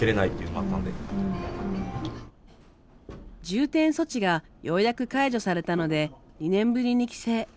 重点措置がようやく解除されたので２年ぶりに帰省。